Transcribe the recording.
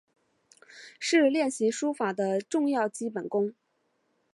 是练习书法的重要基本功。